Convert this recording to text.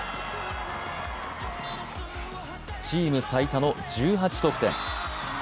チーム最多の１８得点。